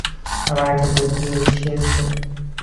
আমার একটা বুদ্ধি এসেছে।